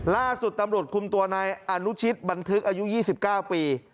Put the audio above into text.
ล่าสุดตำรวจคุมตัวนายอนุชิตบันทึกอายุ๒๙ปี